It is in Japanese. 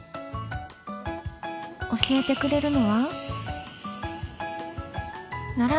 教えてくれるのは奈良